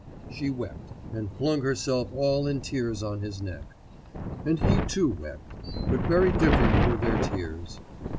She wept, and flung herself all in tears on his neck. And he too wept ... but very different were their tears.